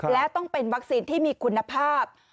และต้องเป็นวัคซีนที่มีคุณภาพ